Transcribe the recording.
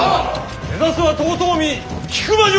目指すは遠江引間城！